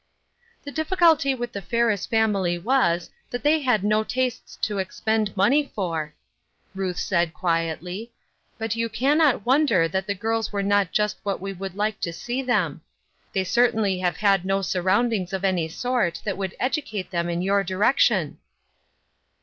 " The diiSculty with the Ferris family was, that they had no tastes to expend money for," Rath said, quietly, "but you can not wonder that the girls are not just what we would like to see them. They certainly have had no sui 330 Ruth Erskine'B Crosses. Foundings of any sort that would educate them in your direction."